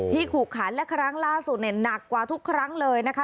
ขู่ขันและครั้งล่าสุดเนี่ยหนักกว่าทุกครั้งเลยนะคะ